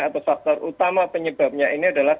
atau faktor utama penyebabnya ini adalah